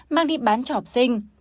mang đi bán cho học sinh